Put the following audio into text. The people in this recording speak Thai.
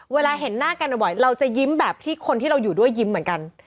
เวลาเห็นหน้ากันบ่อยเราจะยิ้มแบบที่คนที่เราอยู่ด้วยยิ้มเหมือนกัน